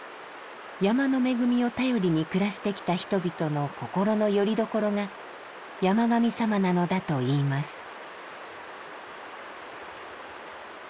山の恵みを頼りに暮らしてきた人々の心のよりどころが山神さまなのだといいます。